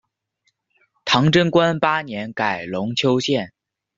唐贞观八年改龙丘县。